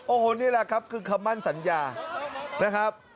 โอ้โหนี่แหละครับคือคำมั่นสัญญานะครับ